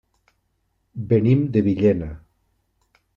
Venim de Villena.